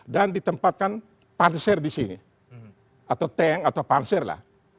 dan ditempatkan panser di sini atau tank atau panser lah